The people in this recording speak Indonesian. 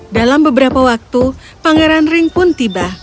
dalam beberapa waktu pangeran ring pun tiba